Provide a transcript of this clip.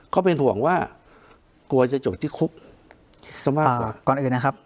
ก็เป็นห่วงว่ากลัวจะจบที่คุกซะมากกว่าก่อนอื่นนะครับ